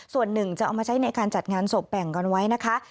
ส่วนหนึ่งจะเอามาใช้ในการจัดงานศพแบ่งกันไว้นะคะ